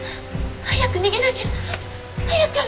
早く逃げなきゃ！早く！